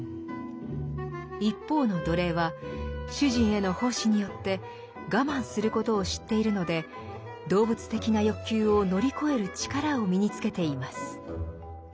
一方の奴隷は主人への奉仕によって我慢することを知っているので動物的な欲求を乗り越える力を身につけています。